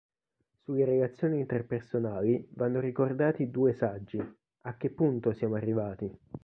Sulle relazioni interpersonali vanno ricordati due saggi: ‘'A che punto siamo arrivati!